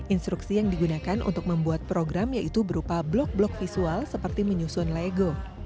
instruksi yang digunakan untuk membuat program yaitu berupa blok blok visual seperti menyusun lego